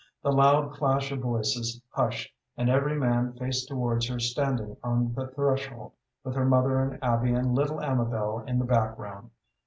The loud clash of voices hushed, and every man faced towards her standing on the threshold, with her mother and Abby and little Amabel in the background.